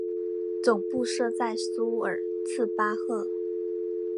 总部设在苏尔茨巴赫。